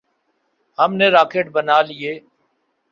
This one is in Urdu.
ہم نے راکٹ بنا لیے۔